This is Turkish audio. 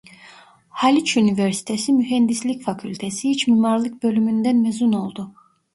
Haliç Üniversitesi Mühendislik Fakültesi İç Mimarlık bölümünden mezun oldu.